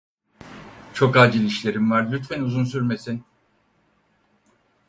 Çok acil işlerim var, lütfen uzun sürmesin.